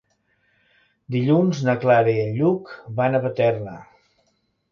Dilluns na Clara i en Lluc van a Paterna.